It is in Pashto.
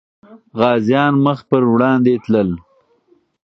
غازيان مخ پر وړاندې تلل.